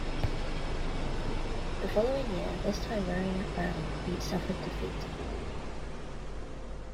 The following year, this time rowing at bow, he suffered defeat.